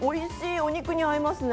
お肉に合いますね。